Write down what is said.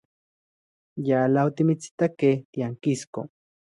Yala otimitsitakej tiankisko.